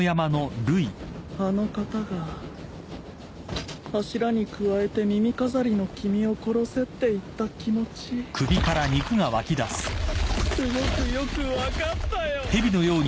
あの方が柱に加えて耳飾りの君を殺せって言った気持ちすごくよく分かったよ！